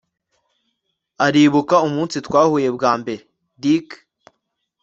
Uribuka umunsi twahuye bwa mbere Dick